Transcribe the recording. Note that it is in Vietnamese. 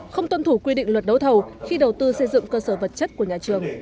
không tuân thủ quy định luật đấu thầu khi đầu tư xây dựng cơ sở vật chất của nhà trường